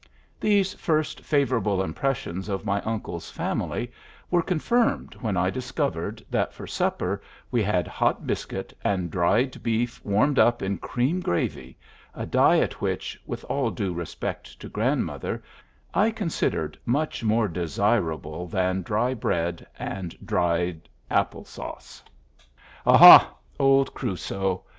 These first favorable impressions of my uncle's family were confirmed when I discovered that for supper we had hot biscuit and dried beef warmed up in cream gravy, a diet which, with all due respect to grandmother, I considered much more desirable than dry bread and dried apple sauce. Aha, old Crusoe!